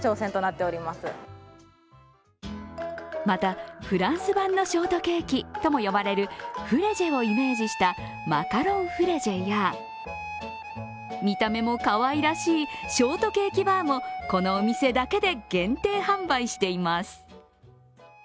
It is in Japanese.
また、フランス版のショートケーキとも呼ばれるフレジェをイメージしたマカロンフレジェや見た目もかわいらしいショートケーキバーもこのお店だけで限定販売しています。